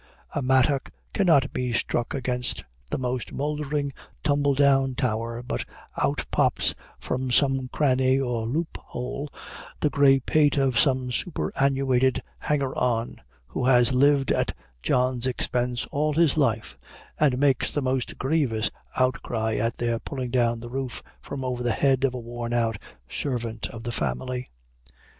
A mattock cannot be struck against the most mouldering tumble down tower, but out pops, from some cranny or loop hole, the gray pate of some superannuated hanger on, who has lived at John's expense all his life, and makes the most grievous outcry at their pulling down the roof from over the head of a worn out servant of the family.